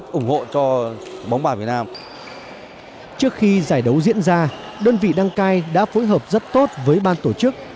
trước khi giải đấu diễn ra đơn vị đăng cai đã phối hợp rất tốt với ban tổ chức